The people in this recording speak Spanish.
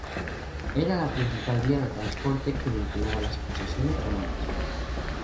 Era la principal vía de transporte que vinculaba las posesiones romanas.